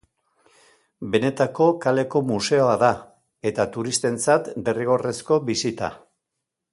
Benetako kaleko museoa da eta turistentzat derrigorrezko bisita.